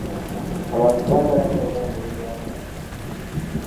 Abantu baagala nnyo entambula ey'amangu.